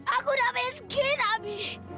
aku udah minum segi nabi